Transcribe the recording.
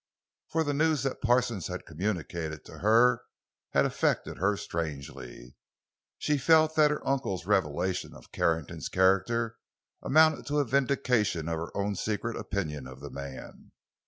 For the news that Parsons had communicated to her had affected her strangely; she felt that her uncle's revelations of Carrington's character amounted to a vindication of her own secret opinion of the man.